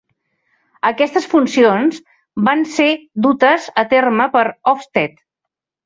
Aquestes funcions van ser dutes a terme per Ofsted.